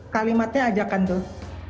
kalimatnya ajakan tuh